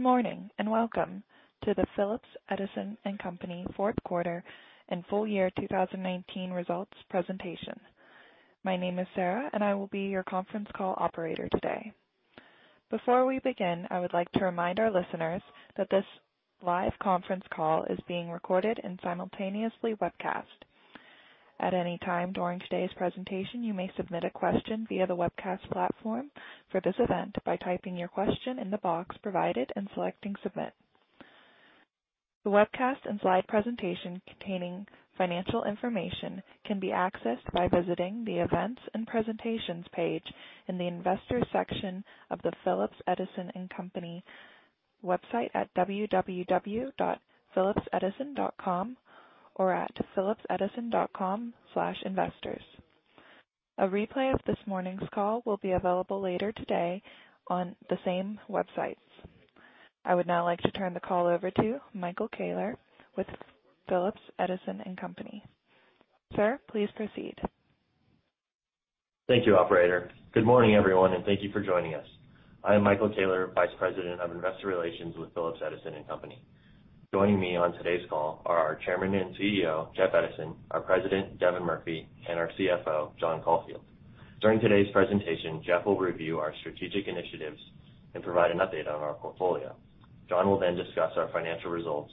Good morning, and welcome to the Phillips Edison & Company fourth quarter and full year 2019 results presentation. My name is Sarah, and I will be your conference call operator today. Before we begin, I would like to remind our listeners that this live conference call is being recorded and simultaneously webcast. At any time during today's presentation, you may submit a question via the webcast platform for this event by typing your question in the box provided and selecting submit. The webcast and slide presentation containing financial information can be accessed by visiting the Events and Presentations page in the Investors section of the Phillips Edison & Company website at www.phillipsedison.com or at phillipsedison.com/investors. A replay of this morning's call will be available later today on the same websites. I would now like to turn the call over to Michael Koehler with Phillips Edison & Company. Sir, please proceed. Thank you, operator. Good morning, everyone, and thank you for joining us. I am Michael Koehler, Vice President of Investor Relations with Phillips Edison & Company. Joining me on today's call are our Chairman and CEO, Jeff Edison, our President, Devin Murphy, and our CFO, John Caulfield. During today's presentation, Jeff will review our strategic initiatives and provide an update on our portfolio. John will discuss our financial results.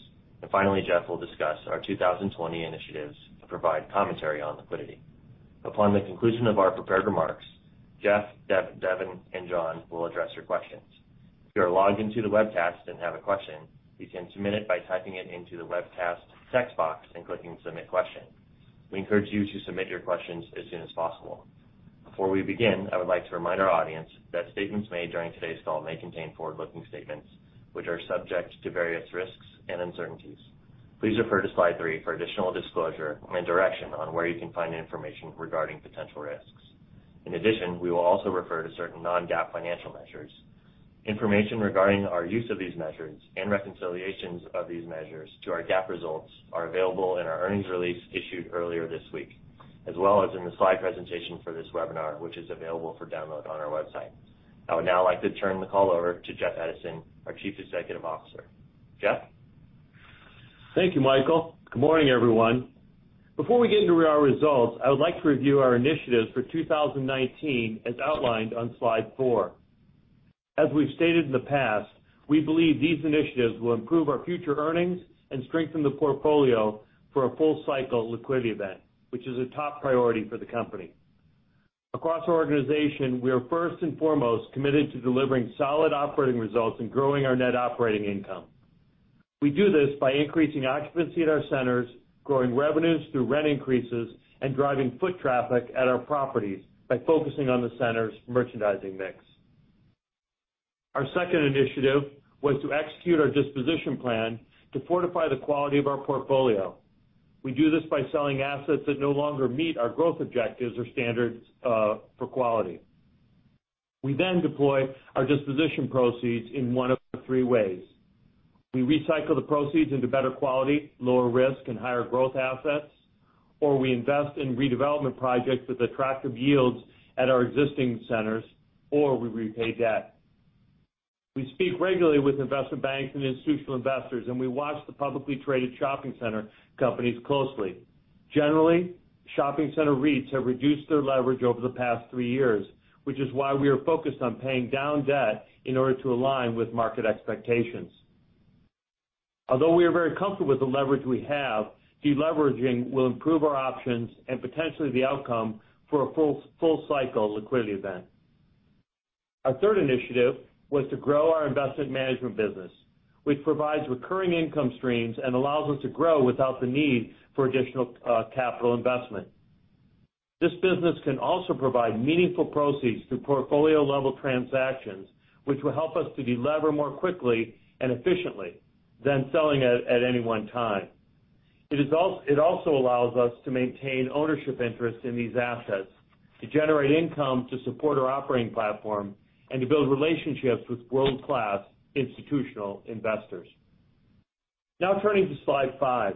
Finally, Jeff will discuss our 2020 initiatives and provide commentary on liquidity. Upon the conclusion of our prepared remarks, Jeff, Devin, and John will address your questions. If you are logged into the webcast and have a question, you can submit it by typing it into the webcast text box and clicking submit question. We encourage you to submit your questions as soon as possible. Before we begin, I would like to remind our audience that statements made during today's call may contain forward-looking statements, which are subject to various risks and uncertainties. Please refer to slide three for additional disclosure and direction on where you can find information regarding potential risks. In addition, we will also refer to certain non-GAAP financial measures. Information regarding our use of these measures and reconciliations of these measures to our GAAP results are available in our earnings release issued earlier this week, as well as in the slide presentation for this webinar, which is available for download on our website. I would now like to turn the call over to Jeff Edison, our Chief Executive Officer. Jeff? Thank you, Michael. Good morning, everyone. Before we get into our results, I would like to review our initiatives for 2019, as outlined on slide four. As we've stated in the past, we believe these initiatives will improve our future earnings and strengthen the portfolio for a full-cycle liquidity event, which is a top priority for the company. Across our organization, we are first and foremost committed to delivering solid operating results and growing our net operating income. We do this by increasing occupancy at our centers, growing revenues through rent increases, and driving foot traffic at our properties by focusing on the center's merchandising mix. Our second initiative was to execute our disposition plan to fortify the quality of our portfolio. We do this by selling assets that no longer meet our growth objectives or standards for quality. We deploy our disposition proceeds in one of three ways. We recycle the proceeds into better quality, lower risk, and higher growth assets, or we invest in redevelopment projects with attractive yields at our existing centers, or we repay debt. We speak regularly with investment banks and institutional investors, and we watch the publicly traded shopping center companies closely. Generally, shopping center REITs have reduced their leverage over the past three years, which is why we are focused on paying down debt in order to align with market expectations. Although we are very comfortable with the leverage we have, de-leveraging will improve our options and potentially the outcome for a full-cycle liquidity event. Our third initiative was to grow our investment management business, which provides recurring income streams and allows us to grow without the need for additional capital investment. This business can also provide meaningful proceeds through portfolio-level transactions, which will help us to de-lever more quickly and efficiently than selling at any one time. It also allows us to maintain ownership interest in these assets, to generate income to support our operating platform, and to build relationships with world-class institutional investors. Now turning to slide five.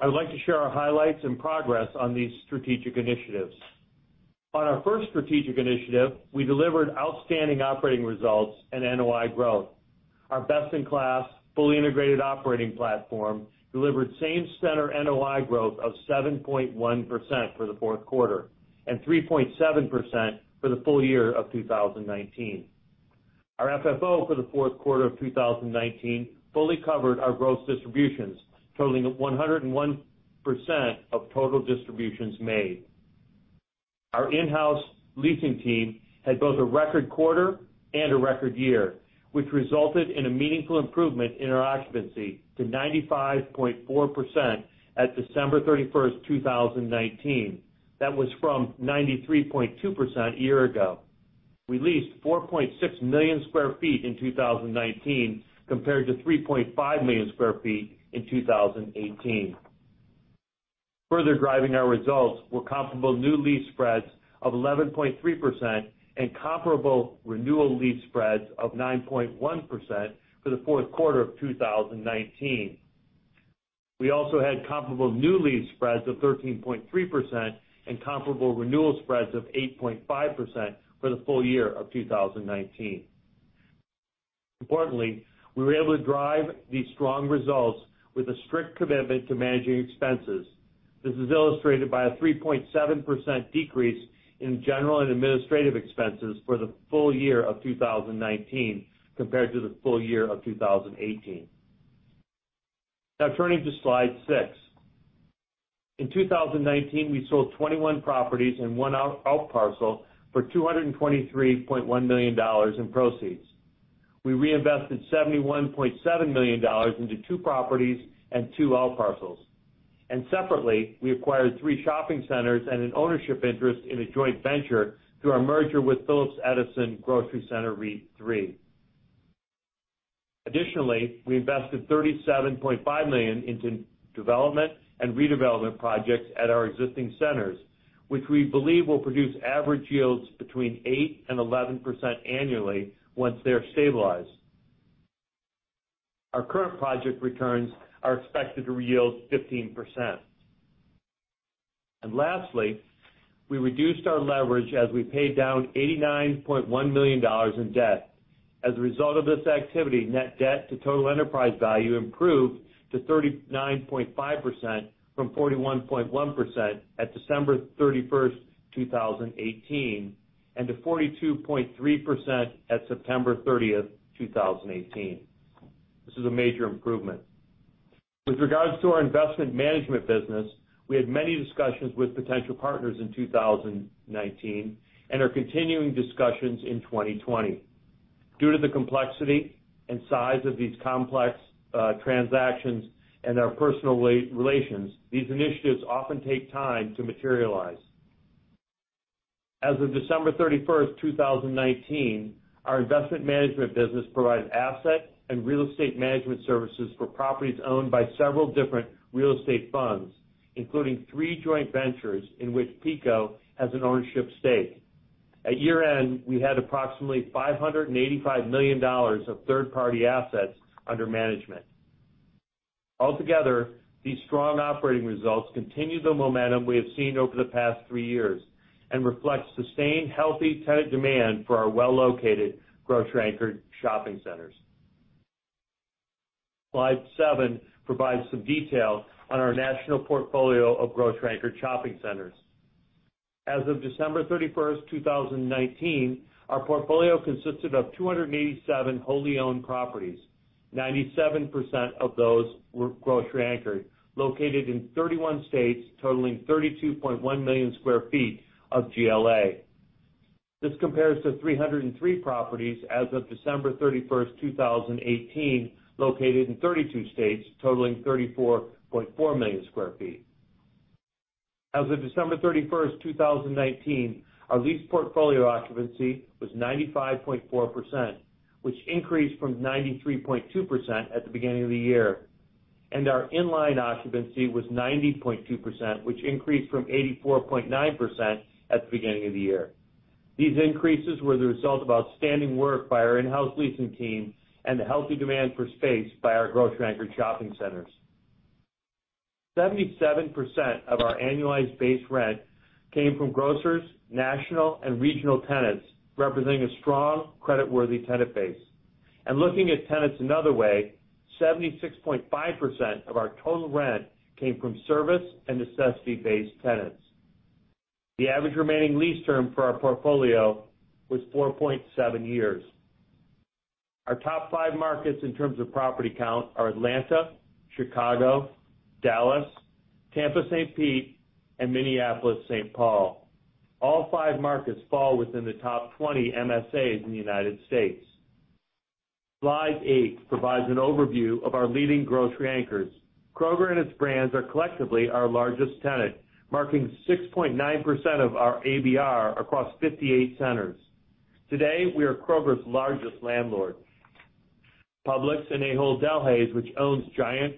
I would like to share our highlights and progress on these strategic initiatives. On our first strategic initiative, we delivered outstanding operating results and NOI growth. Our best-in-class, fully integrated operating platform delivered Same-Center NOI growth of 7.1% for the fourth quarter and 3.7% for the full year of 2019. Our FFO for the fourth quarter of 2019 fully covered our gross distributions, totaling 101% of total distributions made. Our in-house leasing team had both a record quarter and a record year, which resulted in a meaningful improvement in our occupancy to 95.4% at December 31st, 2019. That was from 93.2% a year ago. We leased 4.6 million sq ft in 2019 compared to 3.5 million sq ft in 2018. Further driving our results were comparable new lease spreads of 11.3% and comparable renewal lease spreads of 9.1% for the fourth quarter of 2019. We also had comparable new lease spreads of 13.3% and comparable renewal spreads of 8.5% for the full year of 2019. Importantly, we were able to drive these strong results with a strict commitment to managing expenses. This is illustrated by a 3.7% decrease in general and administrative expenses for the full year of 2019 compared to the full year of 2018. Now turning to slide six. In 2019, we sold 21 properties and one out parcel for $223.1 million in proceeds. We reinvested $71.7 million into two properties and two out parcels. Separately, we acquired three shopping centers and an ownership interest in a joint venture through our merger with Phillips Edison Grocery Center REIT III. Additionally, we invested $37.5 million into development and redevelopment projects at our existing centers, which we believe will produce average yields between 8% and 11% annually once they are stabilized. Our current project returns are expected to yield 15%. Lastly, we reduced our leverage as we paid down $89.1 million in debt. As a result of this activity, Net Debt to Total Enterprise Value improved to 39.5% from 41.1% at December 31, 2018, and to 42.3% at September 30, 2018. This is a major improvement. With regards to our investment management business, we had many discussions with potential partners in 2019 and are continuing discussions in 2020. Due to the complexity and size of these complex transactions and our personal relations, these initiatives often take time to materialize. As of December 31st, 2019, our investment management business provides asset and real estate management services for properties owned by several different real estate funds, including three joint ventures in which PECO has an ownership stake. At year-end, we had approximately $585 million of third-party assets under management. Altogether, these strong operating results continue the momentum we have seen over the past three years and reflects sustained healthy tenant demand for our well-located grocery-anchored shopping centers. Slide seven provides some detail on our national portfolio of grocery-anchored shopping centers. As of December 31st, 2019, our portfolio consisted of 287 wholly owned properties. 97% of those were grocery anchored, located in 31 states, totaling 32.1 million sq ft of GLA. This compares to 303 properties as of December 31st, 2018, located in 32 states, totaling 34.4 million sq ft. As of December 31st, 2019, our lease portfolio occupancy was 95.4%, which increased from 93.2% at the beginning of the year. Our in-line occupancy was 90.2%, which increased from 84.9% at the beginning of the year. These increases were the result of outstanding work by our in-house leasing team and the healthy demand for space by our grocery-anchored shopping centers. 77% of our annualized base rent came from grocers, national and regional tenants, representing a strong creditworthy tenant base. Looking at tenants another way, 76.5% of our total rent came from service and necessity-based tenants. The average remaining lease term for our portfolio was 4.7 years. Our top five markets in terms of property count are Atlanta, Chicago, Dallas, Tampa-St. Pete, and Minneapolis-St. Paul. All five markets fall within the top 20 MSAs in the U.S. Slide eight provides an overview of our leading grocery anchors. Kroger and its brands are collectively our largest tenant, marking 6.9% of our ABR across 58 centers. Today, we are Kroger's largest landlord. Publix and Ahold Delhaize, which owns Giant,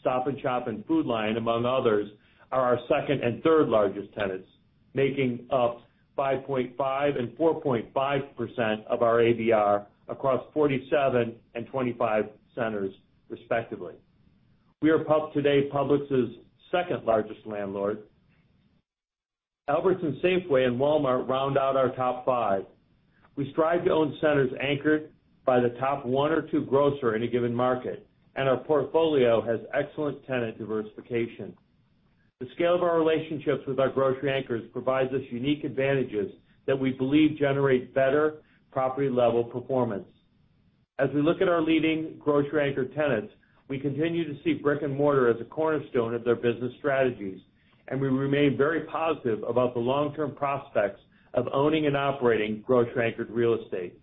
Stop & Shop, and Food Lion, among others, are our second and third largest tenants, making up 5.5% and 4.5% of our ABR across 47 and 25 centers, respectively. We are today Publix's second largest landlord. Albertsons, Safeway, and Walmart round out our top five. We strive to own centers anchored by the top one or two grocer in a given market, and our portfolio has excellent tenant diversification. The scale of our relationships with our grocery anchors provides us unique advantages that we believe generate better property-level performance. As we look at our leading grocery anchor tenants, we continue to see brick and mortar as a cornerstone of their business strategies, and we remain very positive about the long-term prospects of owning and operating grocery-anchored real estate.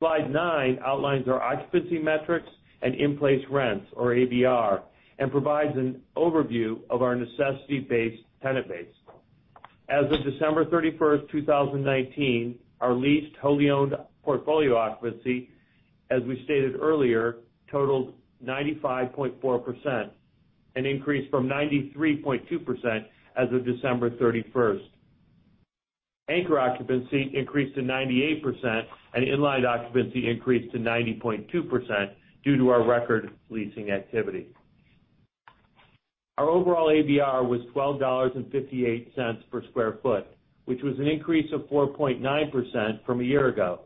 Slide nine outlines our occupancy metrics and in-place rents or ABR and provides an overview of our necessity-based tenant base. As of December 31, 2019, our leased totally owned portfolio occupancy, as we stated earlier, totaled 95.4%, an increase from 93.2% as of December 31. Anchor occupancy increased to 98% and in-line occupancy increased to 90.2% due to our record leasing activity. Our overall ABR was $12.58 per sq ft, which was an increase of 4.9% from a year ago.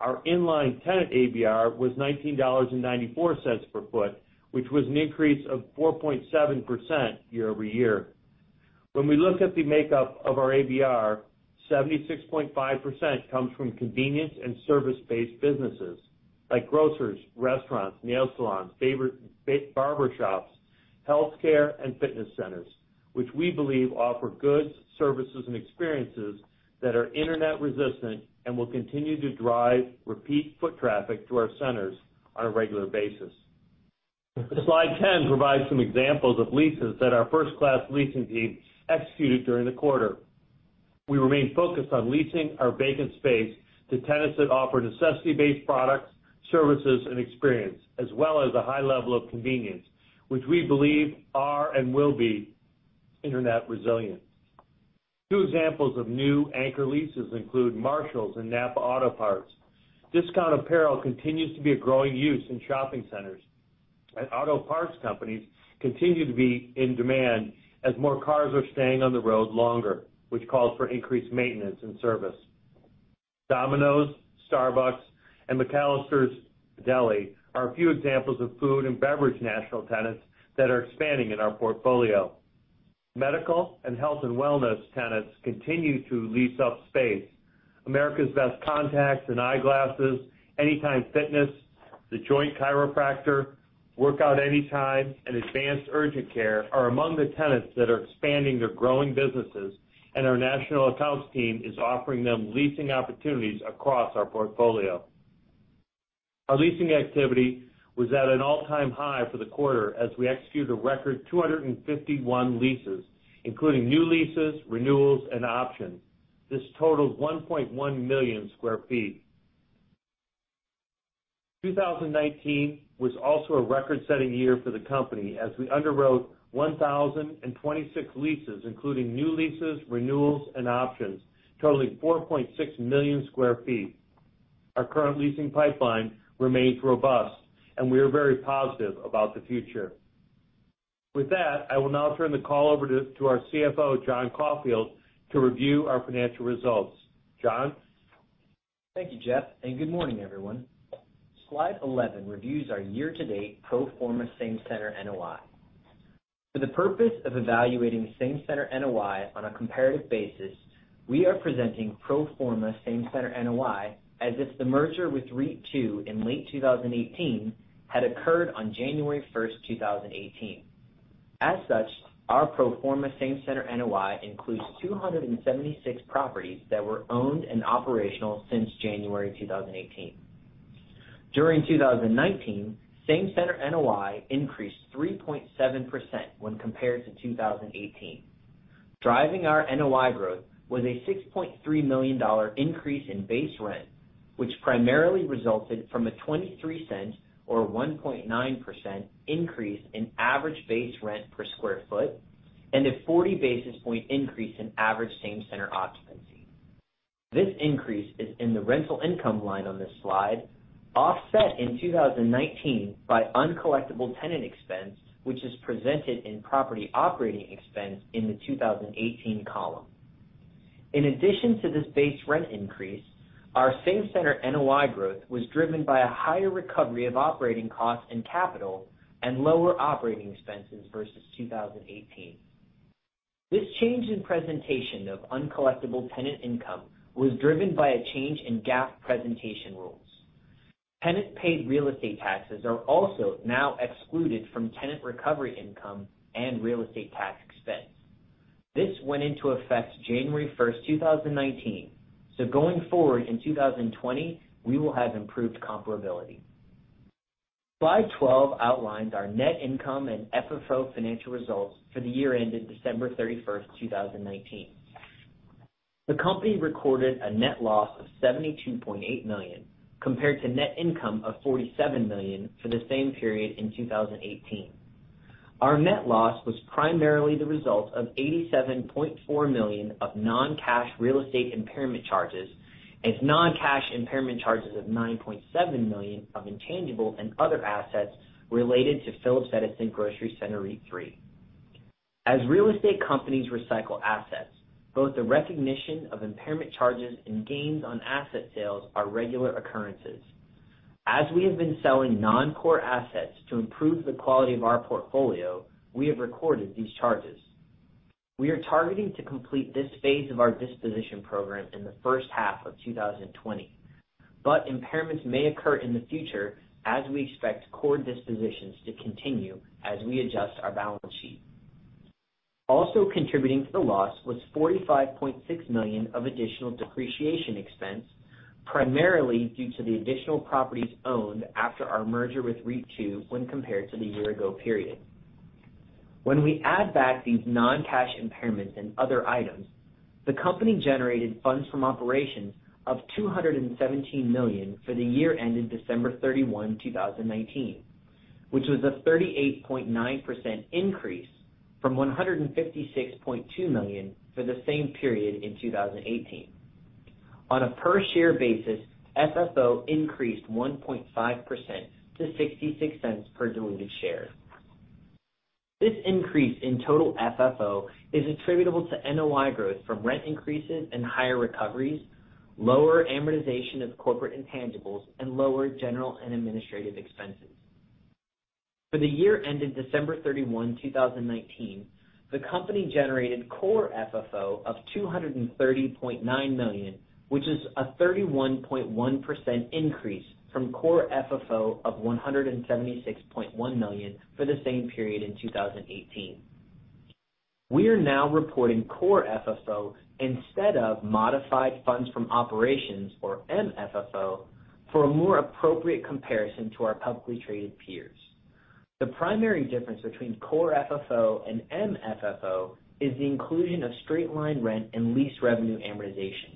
Our in-line tenant ABR was $19.94 per foot, which was an increase of 4.7% year-over-year. When we look at the makeup of our ABR, 76.5% comes from convenience and service-based businesses, like groceries, restaurants, nail salons, barber shops, healthcare, and fitness centers, which we believe offer goods, services, and experiences that are internet resistant and will continue to drive repeat foot traffic to our centers on a regular basis. Slide 10 provides some examples of leases that our first-class leasing team executed during the quarter. We remain focused on leasing our vacant space to tenants that offer necessity-based products, services, and experience as well as a high level of convenience, which we believe are and will be internet resilient. Two examples of new anchor leases include Marshalls and NAPA Auto Parts. Discount apparel continues to be a growing use in shopping centers, and auto parts companies continue to be in demand as more cars are staying on the road longer, which calls for increased maintenance and service. Domino's, Starbucks, and McAlister's Deli are a few examples of food and beverage national tenants that are expanding in our portfolio. Medical and health and wellness tenants continue to lease up space. America's Best Contacts & Eyeglasses, Anytime Fitness, The Joint Chiropractic, Workout Anytime, and Advanced Urgent Care are among the tenants that are expanding their growing businesses, and our national accounts team is offering them leasing opportunities across our portfolio. Our leasing activity was at an all-time high for the quarter as we executed a record 251 leases, including new leases, renewals, and options. This totals 1.1 million sq ft. 2019 was also a record-setting year for the company as we underwrote 1,026 leases, including new leases, renewals, and options, totaling 4.6 million sq ft. Our current leasing pipeline remains robust, and we are very positive about the future. With that, I will now turn the call over to our CFO, John Caulfield, to review our financial results. John? Thank you, Jeff. Good morning, everyone. Slide 11 reviews our year-to-date pro forma Same-Center NOI. For the purpose of evaluating Same-Center NOI on a comparative basis, we are presenting pro forma Same-Center NOI as if the merger with REIT II in late 2018 had occurred on January 1st, 2018. As such, our pro forma Same-Center NOI includes 276 properties that were owned and operational since January 2018. During 2019, Same-Center NOI increased 3.7% when compared to 2018. Driving our NOI growth was a $6.3 million increase in base rent, which primarily resulted from a $0.23, or 1.9% increase in average base rent per sq ft, and a 40 basis points increase in average Same-Center occupancy. This increase is in the rental income line on this slide, offset in 2019 by uncollectable tenant expense, which is presented in property operating expense in the 2018 column. In addition to this base rent increase, our Same-Center NOI growth was driven by a higher recovery of operating costs and capital and lower operating expenses versus 2018. This change in presentation of uncollectable tenant income was driven by a change in GAAP presentation rules. Tenant-paid real estate taxes are also now excluded from tenant recovery income and real estate tax expense. This went into effect January 1st, 2019, going forward in 2020, we will have improved comparability. Slide 12 outlines our net income and FFO financial results for the year ending December 31st, 2019. The company recorded a net loss of $72.8 million compared to net income of $47 million for the same period in 2018. Our net loss was primarily the result of $87.4 million of non-cash real estate impairment charges and non-cash impairment charges of $9.7 million of intangible and other assets related to Phillips Edison Grocery Center REIT III. As real estate companies recycle assets, both the recognition of impairment charges and gains on asset sales are regular occurrences. As we have been selling non-core assets to improve the quality of our portfolio, we have recorded these charges. We are targeting to complete this phase of our disposition program in the first half of 2020. Impairments may occur in the future as we expect core dispositions to continue as we adjust our balance sheet. Also contributing to the loss was $45.6 million of additional depreciation expense. Primarily due to the additional properties owned after our merger with REIT II when compared to the year-ago period. When we add back these non-cash impairments and other items, the company generated Funds From Operations of $217 million for the year ended December 31, 2019, which was a 38.9% increase from $156.2 million for the same period in 2018. On a per share basis, FFO increased 1.5% to $0.66 per diluted share. This increase in total FFO is attributable to NOI growth from rent increases and higher recoveries, lower amortization of corporate intangibles, and lower general and administrative expenses. For the year ended December 31, 2019, the company generated Core FFO of $230.9 million, which is a 31.1% increase from Core FFO of $176.1 million for the same period in 2018. We are now reporting Core FFO instead of modified Funds From Operations, or MFFO, for a more appropriate comparison to our publicly traded peers. The primary difference between Core FFO and MFFO is the inclusion of straight-line rent and lease revenue amortization.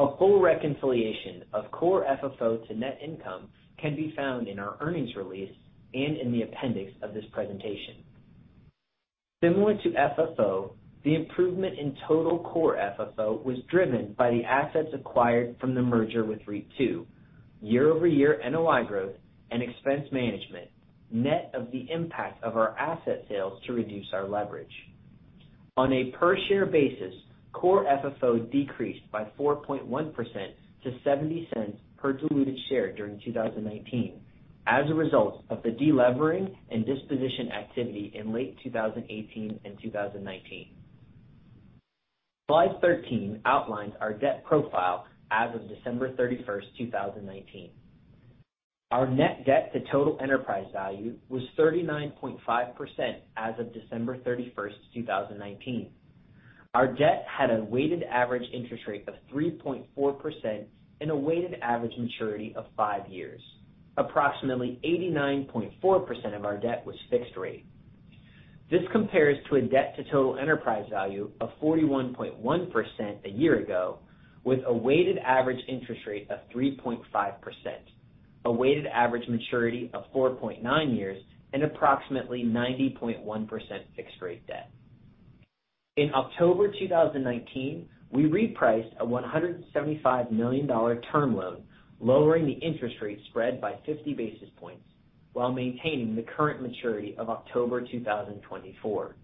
A full reconciliation of Core FFO to net income can be found in our earnings release and in the appendix of this presentation. Similar to FFO, the improvement in total Core FFO was driven by the assets acquired from the merger with REIT II, year-over-year NOI growth, and expense management, net of the impact of our asset sales to reduce our leverage. On a per share basis, Core FFO decreased by 4.1% to $0.70 per diluted share during 2019 as a result of the de-levering and disposition activity in late 2018 and 2019. Slide 13 outlines our debt profile as of December 31st, 2019. Our Net Debt to Total Enterprise Value was 39.5% as of December 31st, 2019. Our debt had a weighted average interest rate of 3.4% and a weighted average maturity of five years. Approximately 89.4% of our debt was fixed rate. This compares to a debt to total enterprise value of 41.1% a year ago, with a weighted average interest rate of 3.5%, a weighted average maturity of 4.9 years, and approximately 90.1% fixed rate debt. In October 2019, we repriced a $175 million term loan, lowering the interest rate spread by 50 basis points, while maintaining the current maturity of October 2024.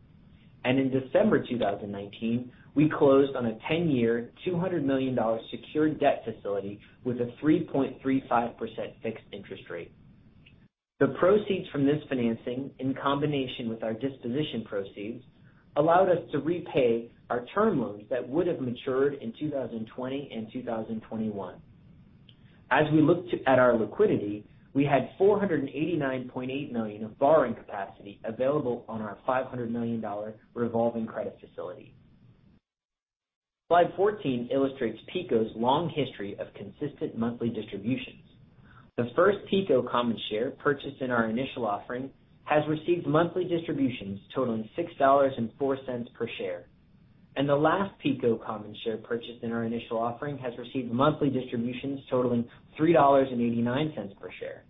In December 2019, we closed on a 10-year, $200 million secured debt facility with a 3.35% fixed interest rate. The proceeds from this financing, in combination with our disposition proceeds, allowed us to repay our term loans that would have matured in 2020 and 2021. As we look at our liquidity, we had $489.8 million of borrowing capacity available on our $500 million revolving credit facility. Slide 14 illustrates PECO's long history of consistent monthly distributions. The first PECO common share purchased in our initial offering has received monthly distributions totaling $6.04 per share, and the last PECO common share purchased in our initial offering has received monthly distributions totaling $3.89 per share.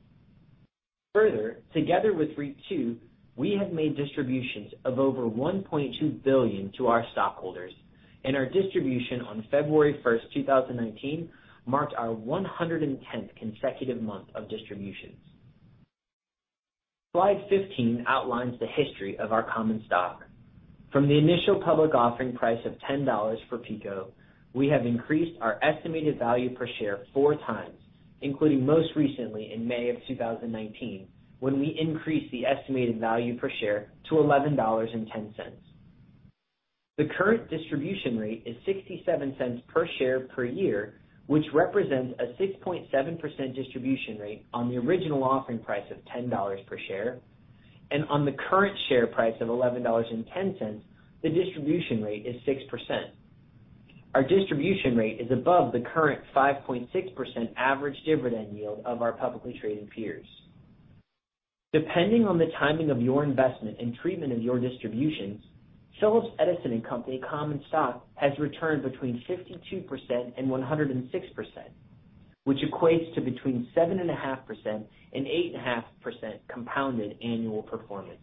Further, together with REIT II, we have made distributions of over $1.2 billion to our stockholders, and our distribution on February 1st, 2019, marked our 110th consecutive month of distributions. Slide 15 outlines the history of our common stock. From the initial public offering price of $10 for PECO, we have increased our estimated value per share four times, including most recently in May of 2019, when we increased the estimated value per share to $11.10. The current distribution rate is $0.67 per share per year, which represents a 6.7% distribution rate on the original offering price of $10 per share. On the current share price of $11.10, the distribution rate is 6%. Our distribution rate is above the current 5.6% average dividend yield of our publicly traded peers. Depending on the timing of your investment and treatment of your distributions, Phillips Edison & Company common stock has returned between 52% and 106%, which equates to between 7.5% and 8.5% compounded annual performance.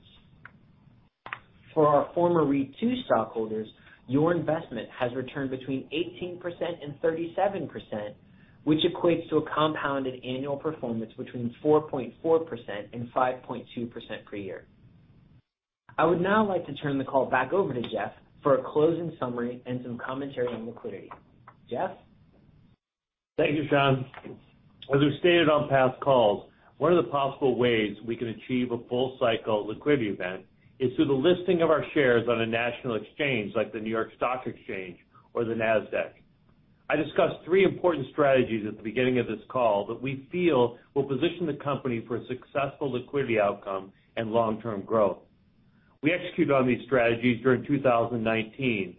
For our former REIT II stockholders, your investment has returned between 18% and 37%, which equates to a compounded annual performance between 4.4% and 5.2% per year. I would now like to turn the call back over to Jeff for a closing summary and some commentary on liquidity. Jeff? Thank you, John. As we've stated on past calls, one of the possible ways we can achieve a full-cycle liquidity event is through the listing of our shares on a national exchange, like the New York Stock Exchange or the Nasdaq. I discussed three important strategies at the beginning of this call that we feel will position the company for a successful liquidity outcome and long-term growth. We executed on these strategies during 2019,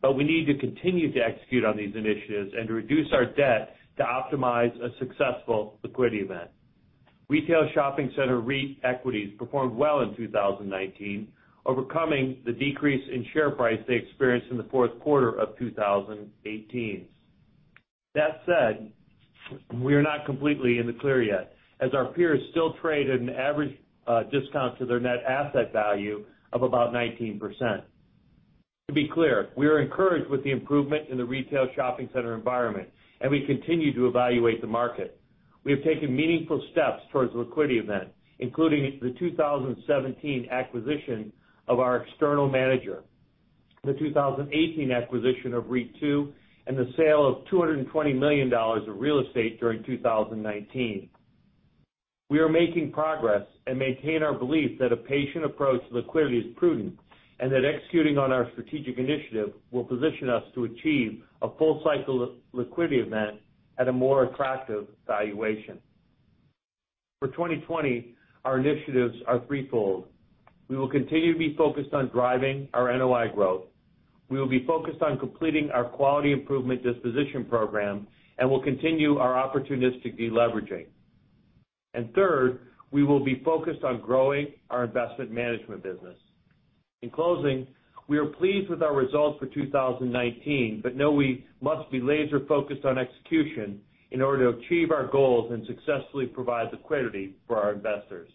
but we need to continue to execute on these initiatives and to reduce our debt to optimize a successful liquidity event. Retail shopping center REIT equities performed well in 2019, overcoming the decrease in share price they experienced in the fourth quarter of 2018. That said, we are not completely in the clear yet, as our peers still trade at an average discount to their net asset value of about 19%. To be clear, we are encouraged with the improvement in the retail shopping center environment, and we continue to evaluate the market. We have taken meaningful steps towards a liquidity event, including the 2017 acquisition of our external manager, the 2018 acquisition of REIT II, and the sale of $220 million of real estate during 2019. We are making progress and maintain our belief that a patient approach to liquidity is prudent, and that executing on our strategic initiative will position us to achieve a full cycle liquidity event at a more attractive valuation. For 2020, our initiatives are threefold. We will continue to be focused on driving our NOI growth. We will be focused on completing our quality improvement disposition program, and we'll continue our opportunistic de-leveraging. Third, we will be focused on growing our investment management business. In closing, we are pleased with our results for 2019, but know we must be laser focused on execution in order to achieve our goals and successfully provide liquidity for our investors.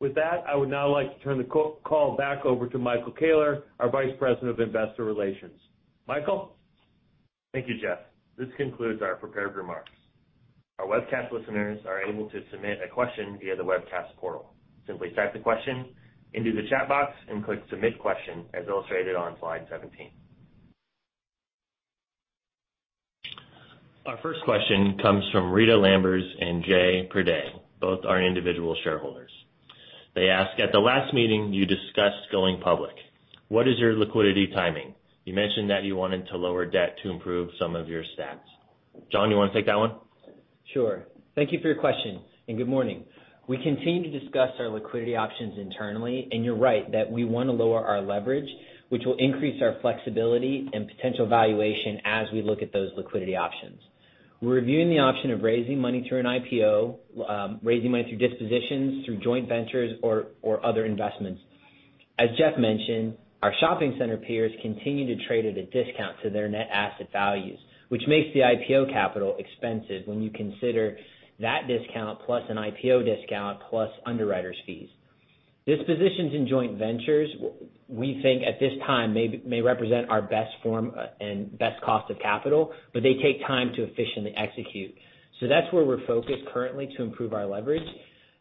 With that, I would now like to turn the call back over to Michael Koehler, our Vice President of Investor Relations. Michael? Thank you, Jeff. This concludes our prepared remarks. Our webcast listeners are able to submit a question via the webcast portal. Simply type the question into the chat box and click Submit Question as illustrated on slide 17. Our first question comes from Rita Lamba and Jay Perday. Both are individual shareholders. They ask, "At the last meeting you discussed going public. What is your liquidity timing? You mentioned that you wanted to lower debt to improve some of your stats." John, you want to take that one? Sure. Thank you for your question, and good morning. We continue to discuss our liquidity options internally, and you're right that we want to lower our leverage, which will increase our flexibility and potential valuation as we look at those liquidity options. We're reviewing the option of raising money through an IPO, raising money through dispositions, through joint ventures or other investments. As Jeff mentioned, our shopping center peers continue to trade at a discount to their net asset values, which makes the IPO capital expensive when you consider that discount plus an IPO discount, plus underwriters' fees. Dispositions in joint ventures, we think at this time may represent our best form and best cost of capital, but they take time to efficiently execute. That's where we're focused currently to improve our leverage.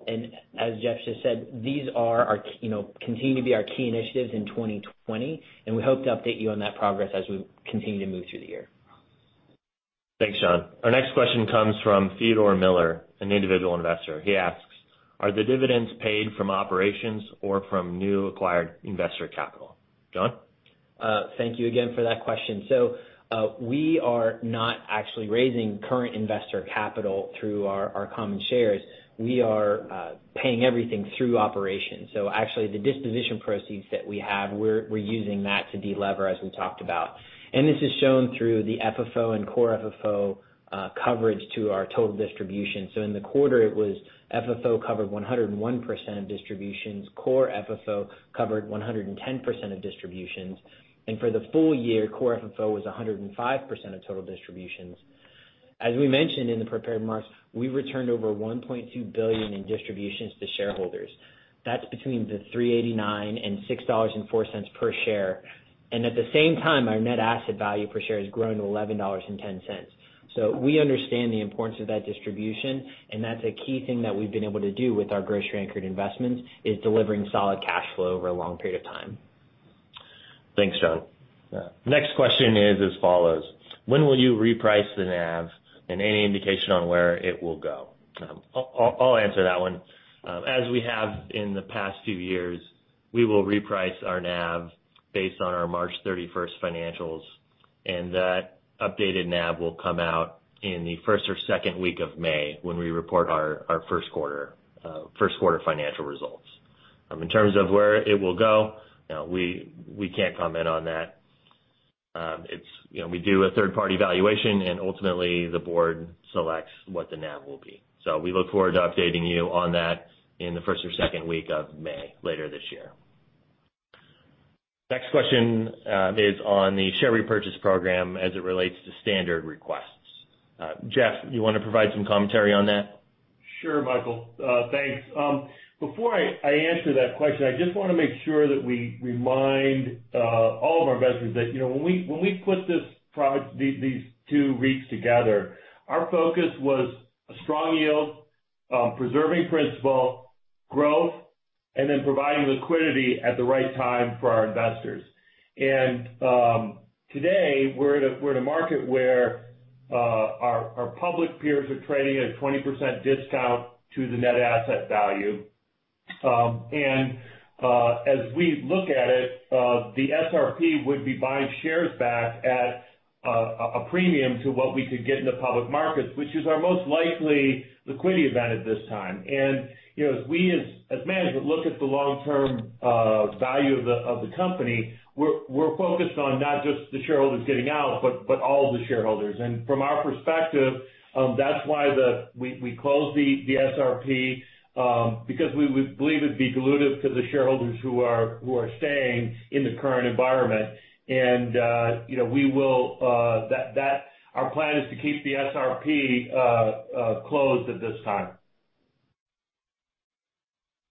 As Jeff just said, these continue to be our key initiatives in 2020, and we hope to update you on that progress as we continue to move through the year. Thanks, John. Our next question comes from Theodore Miller, an individual investor. He asks, "Are the dividends paid from operations or from new acquired investor capital?" John? Thank you again for that question. We are not actually raising current investor capital through our common shares. We are paying everything through operations. Actually, the disposition proceeds that we have, we're using that to de-lever, as we talked about. This is shown through the FFO and Core FFO coverage to our total distribution. In the quarter, it was FFO covered 101% of distributions. Core FFO covered 110% of distributions. For the full year, Core FFO was 105% of total distributions. As we mentioned in the prepared remarks, we returned over $1.2 billion in distributions to shareholders. That's between the $3.89 and $6.04 per share. At the same time, our net asset value per share has grown to $11.10. We understand the importance of that distribution, and that's a key thing that we've been able to do with our grocery-anchored investments, is delivering solid cash flow over a long period of time. Thanks, John. Yeah. Next question is as follows: "When will you reprice the NAV, and any indication on where it will go?" I'll answer that one. As we have in the past few years, we will reprice our NAV based on our March 31st financials, and that updated NAV will come out in the first or second week of May when we report our first quarter financial results. In terms of where it will go, we can't comment on that. We do a third-party valuation, and ultimately the board selects what the NAV will be. We look forward to updating you on that in the first or second week of May later this year. Next question is on the share repurchase program as it relates to standard requests. Jeff, you want to provide some commentary on that? Sure, Michael. Thanks. Before I answer that question, I just want to make sure that we remind all of our investors that when we put these two REITs together, our focus was a strong yield, preserving principal, growth, and then providing liquidity at the right time for our investors. Today we're in a market where our public peers are trading at a 20% discount to the net asset value. As we look at it, the SRP would be buying shares back at a premium to what we could get in the public markets, which is our most likely liquidity event at this time. As we, as management look at the long-term value of the company, we're focused on not just the shareholders getting out, but all the shareholders. From our perspective, that's why we closed the SRP, because we believe it'd be dilutive to the shareholders who are staying in the current environment. Our plan is to keep the SRP closed at this time.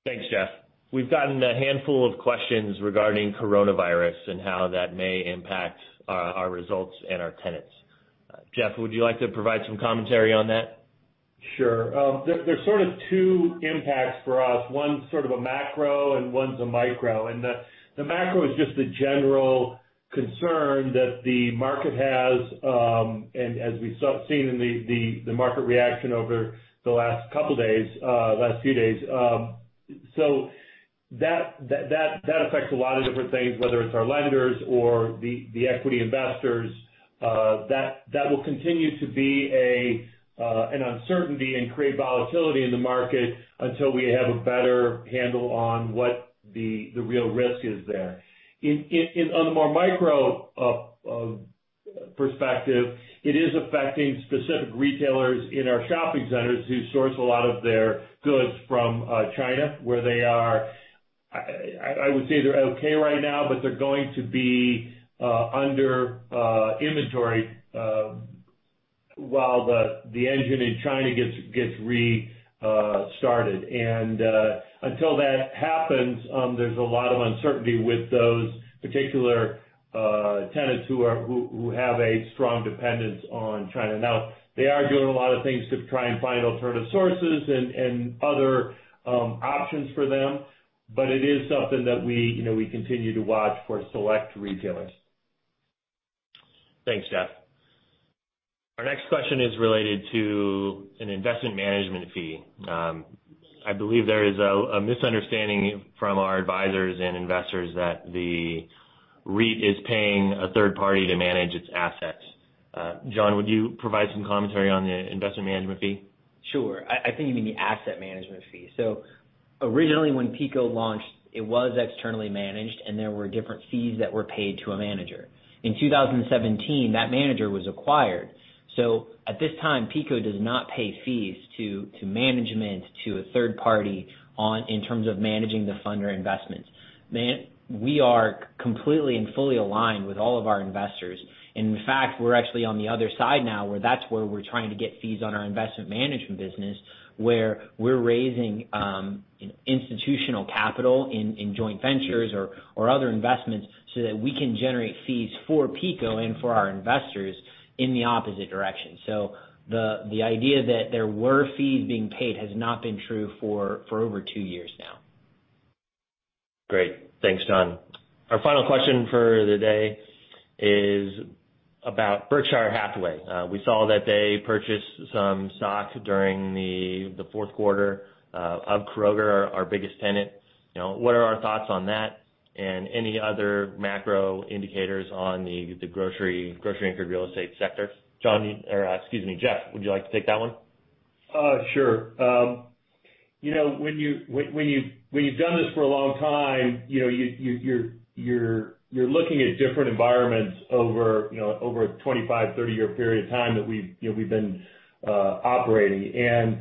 Thanks, Jeff. We've gotten a handful of questions regarding coronavirus and how that may impact our results and our tenants. Jeff, would you like to provide some commentary on that? Sure. There's sort of two impacts for us. One's sort of a macro and one's a micro. The macro is just the general concern that the market has. As we've seen in the market reaction over the last few days. That affects a lot of different things, whether it's our lenders or the equity investors, that will continue to be an uncertainty and create volatility in the market until we have a better handle on what the real risk is there. On the more micro perspective, it is affecting specific retailers in our shopping centers who source a lot of their goods from China, where they are, I would say they're okay right now, but they're going to be under inventory while the engine in China gets restarted. Until that happens, there's a lot of uncertainty with those particular tenants who have a strong dependence on China. They are doing a lot of things to try and find alternative sources and other options for them, but it is something that we continue to watch for select retailers. Thanks, Jeff. Our next question is related to an investment management fee. I believe there is a misunderstanding from our advisors and investors that the REIT is paying a third party to manage its assets. John, would you provide some commentary on the investment management fee? Sure. I think you mean the asset management fee. Originally when PECO launched, it was externally managed, and there were different fees that were paid to a manager. In 2017, that manager was acquired. At this time, PECO does not pay fees to management to a third party in terms of managing the fund or investments. We are completely and fully aligned with all of our investors. In fact, we're actually on the other side now, where that's where we're trying to get fees on our investment management business, where we're raising institutional capital in joint ventures or other investments so that we can generate fees for PECO and for our investors in the opposite direction. The idea that there were fees being paid has not been true for over two years now. Great. Thanks, John. Our final question for the day is about Berkshire Hathaway. We saw that they purchased some stock during the fourth quarter of Kroger, our biggest tenant. What are our thoughts on that and any other macro indicators on the grocery-anchored real estate sector? John, or excuse me, Jeff, would you like to take that one? Sure. When you've done this for a long time, you're looking at different environments over a 25, 30-year period of time that we've been operating.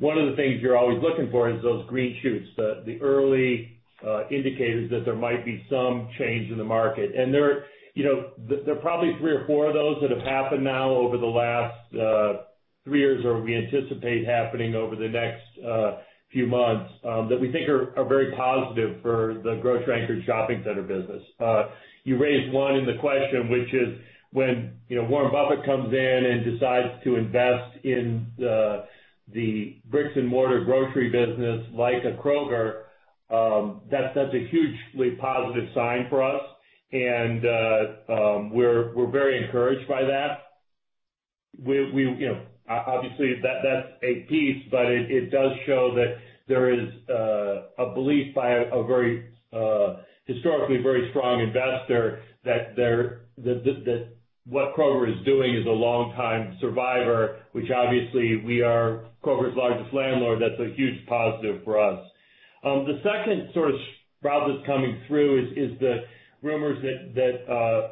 One of the things you're always looking for is those green shoots, the early indicators that there might be some change in the market. There are probably three or four of those that have happened now over the last three years, or we anticipate happening over the next few months, that we think are very positive for the grocery-anchored shopping center business. You raised one in the question, which is when Warren Buffett comes in and decides to invest in the bricks and mortar grocery business like a Kroger, that's a hugely positive sign for us. We're very encouraged by that. Obviously, that's a piece, but it does show that there is a belief by a historically very strong investor that what Kroger is doing is a long time survivor, which obviously we are Kroger's largest landlord. That's a huge positive for us. The second sort of sprout that's coming through is the rumors that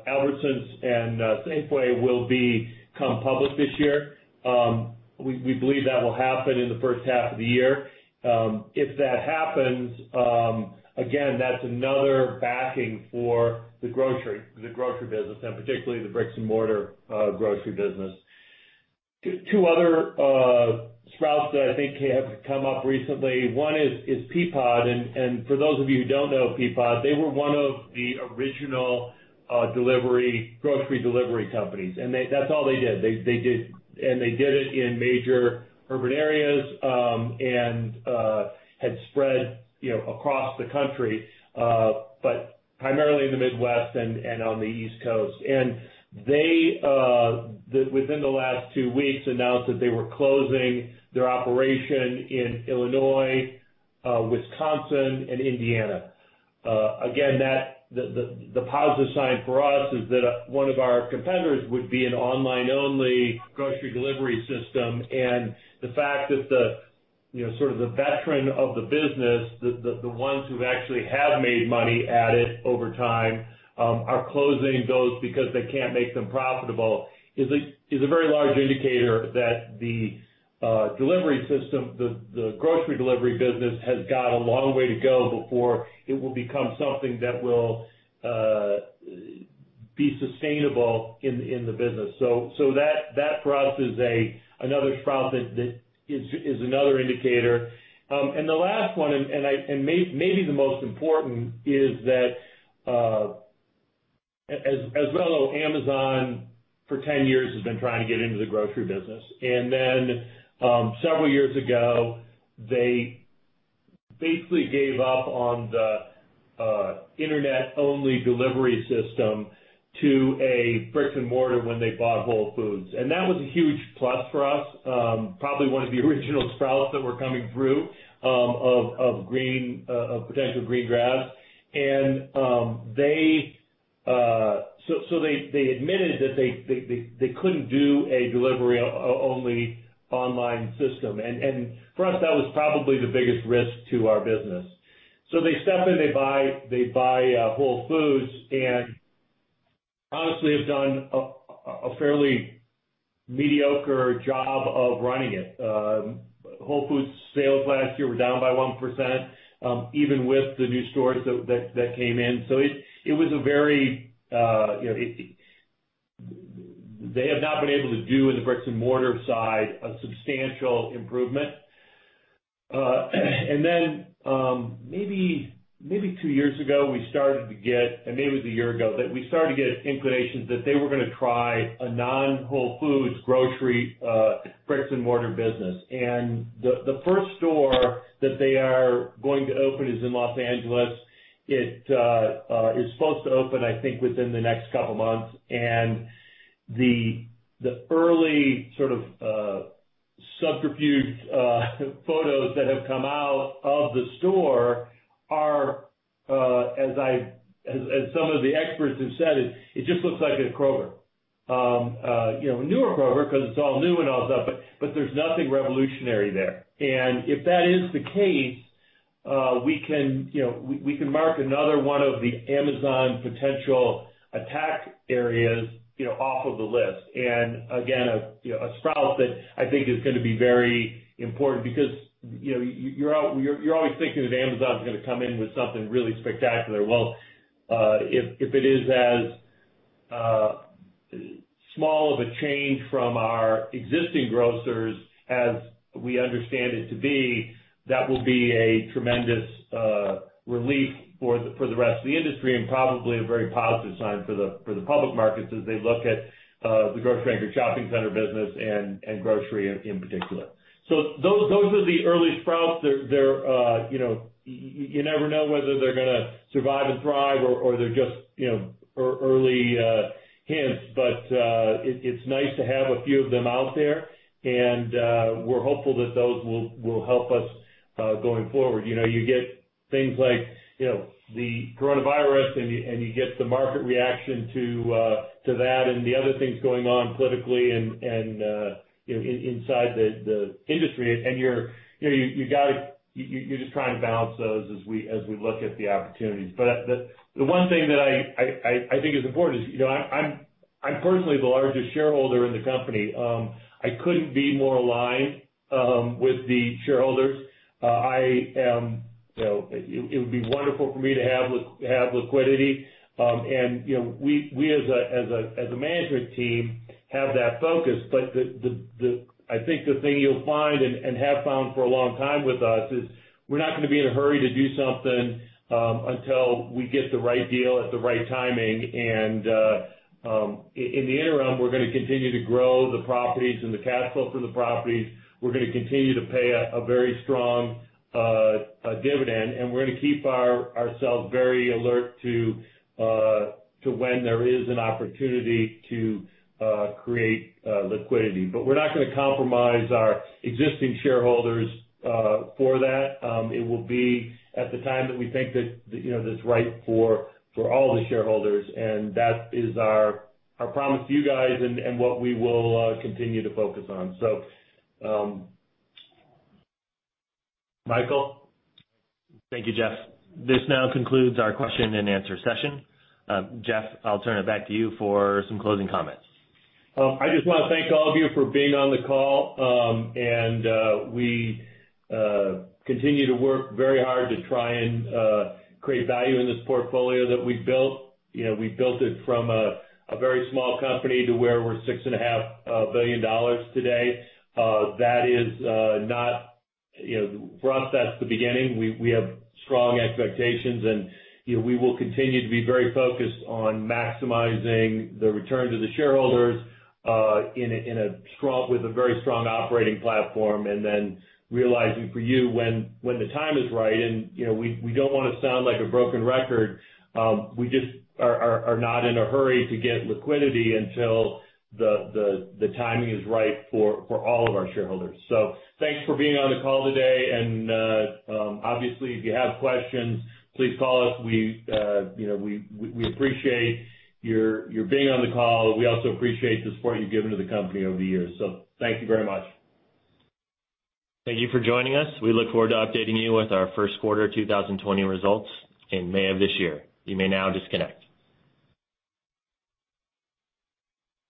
Albertsons and Safeway will become public this year. We believe that will happen in the first half of the year. If that happens, again, that's another backing for the grocery business, and particularly the bricks and mortar grocery business. Two other sprouts that I think have come up recently. One is Peapod, and for those of you who don't know Peapod, they were one of the original grocery delivery companies. That's all they did. They did it in major urban areas, and had spread across the country, but primarily in the Midwest and on the East Coast. They within the last two weeks announced that they were closing their operation in Illinois, Wisconsin, and Indiana. Again, the positive sign for us is that one of our competitors would be an online-only grocery delivery system. The fact that the veteran of the business, the ones who actually have made money at it over time, are closing those because they can't make them profitable is a very large indicator that the delivery system, the grocery delivery business, has got a long way to go before it will become something that will be sustainable in the business. That, for us, is another sprout that is another indicator. The last one, and maybe the most important, is that, as we all know, Amazon, for 10 years, has been trying to get into the grocery business. Several years ago, they basically gave up on the internet-only delivery system to a bricks and mortar when they bought Whole Foods. That was a huge plus for us, probably one of the original sprouts that were coming through of potential green grass. They admitted that they couldn't do a delivery-only online system. For us, that was probably the biggest risk to our business. They step in, they buy Whole Foods, and honestly have done a fairly mediocre job of running it. Whole Foods sales last year were down by 1%, even with the new stores that came in. They have not been able to do, in the bricks and mortar side, a substantial improvement. Then, maybe two years ago, we started to get, or maybe it was a year ago, but we started to get inclinations that they were going to try a non-Whole Foods grocery bricks and mortar business. The first store that they are going to open is in Los Angeles. It is supposed to open, I think, within the next couple of months. The early sort of subterfuge photos that have come out of the store are, as some of the experts have said, it just looks like a Kroger. A newer Kroger, because it's all new and all that, but there's nothing revolutionary there. If that is the case, we can mark another one of the Amazon potential attack areas off of the list. Again, a sprout that I think is going to be very important because you're always thinking that Amazon's going to come in with something really spectacular. Well, if it is as small of a change from our existing grocers as we understand it to be, that will be a tremendous relief for the rest of the industry, and probably a very positive sign for the public markets as they look at the grocery anchored shopping center business, and grocery in particular. Those are the early sprouts. You never know whether they're going to survive and thrive or they're just early hints. It's nice to have a few of them out there, and we're hopeful that those will help us, going forward. You get things like the coronavirus, you get the market reaction to that and the other things going on politically and inside the industry, you're just trying to balance those as we look at the opportunities. The one thing that I think is important is, I'm personally the largest shareholder in the company. I couldn't be more aligned with the shareholders. It would be wonderful for me to have liquidity. We as a management team have that focus. I think the thing you'll find, and have found for a long time with us, is we're not going to be in a hurry to do something until we get the right deal at the right timing. In the interim, we're going to continue to grow the properties and the cash flow for the properties. We're going to continue to pay a very strong dividend, and we're going to keep ourselves very alert to when there is an opportunity to create liquidity. We're not going to compromise our existing shareholders for that. It will be at the time that we think that it's right for all the shareholders, and that is our promise to you guys and what we will continue to focus on. Michael? Thank you, Jeff. This now concludes our question and answer session. Jeff, I'll turn it back to you for some closing comments. I just want to thank all of you for being on the call. We continue to work very hard to try and create value in this portfolio that we've built. We've built it from a very small company to where we're $6.5 billion today. For us, that's the beginning. We have strong expectations, and we will continue to be very focused on maximizing the return to the shareholders with a very strong operating platform. Then realizing for you, when the time is right, and we don't want to sound like a broken record, we just are not in a hurry to get liquidity until the timing is right for all of our shareholders. Thanks for being on the call today. Obviously, if you have questions, please call us. We appreciate your being on the call. We also appreciate the support you've given to the company over the years. Thank you very much. Thank you for joining us. We look forward to updating you with our first quarter 2020 results in May of this year. You may now disconnect.